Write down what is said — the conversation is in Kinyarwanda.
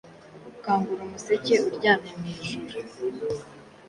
Kangura umuseke uryamye mwijuru;